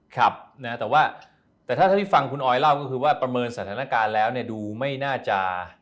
ครับนะแต่ว่าแต่ถ้าเท่าที่ฟังคุณออยเล่าก็คือว่าประเมินสถานการณ์แล้วเนี่ยดูไม่น่าจะ